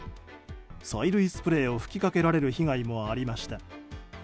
催涙スプレーを吹きかけられる被害もありました。